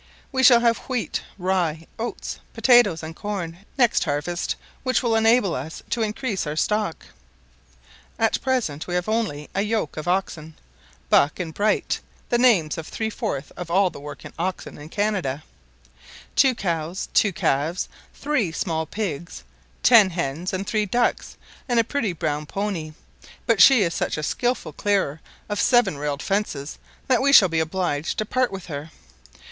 We shall have wheat, rye, oats, potatoes, and corn next harvest, which will enable us to increase our stock. At present we have only a yoke of oxen (Buck and Bright, the names of three fourths of all the working oxen in Canada), two cows, two calves, three small pigs, ten hens, and three ducks, and a pretty brown pony: but she is such a skilful clearer of seven railed fences that we shall be obliged to part with her.